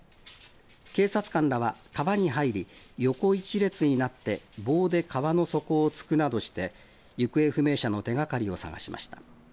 警察官らは川に入り横一列になって棒で川の底を突くなどして行方不明者の手がかりを探しました。